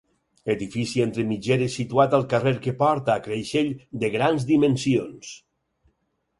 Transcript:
Edifici entre mitgeres situat al carrer que porta a Creixell de grans dimensions.